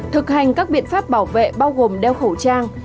thực hành các biện pháp bảo vệ bao gồm đeo khẩu trang